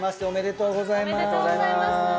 おめでとうございます。